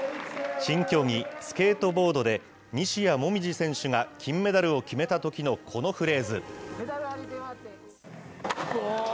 新競技、スケートボードで西矢椛選手が、金メダルを決めたときのこのフレーズ。